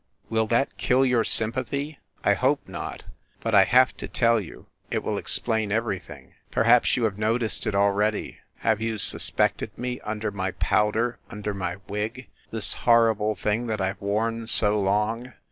Will that kill your sympathy? I hope not, ... but I have to tell you it will explain everything. Perhaps you have noticed it already. Have you suspected me, under my powder, under my wig this horrible thing that I ve worn so long?